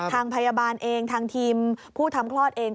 ทางพยาบาลเองทางทีมผู้ทำคลอดเอง